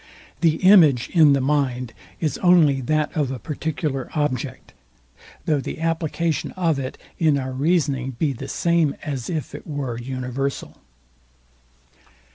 The image in the mind is only that of a particular object, though the application of it in our reasoning be the same, as if it were universal.